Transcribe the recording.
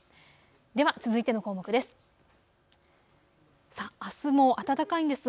では続いての項目です。